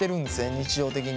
日常的に。